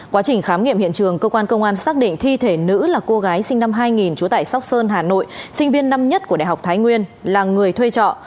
quá trình khám nghiệm hiện trường cơ quan công an xác định thi thể nữ là cô gái sinh năm hai nghìn trú tại sóc sơn hà nội sinh viên năm nhất của đại học thái nguyên là người thuê trọ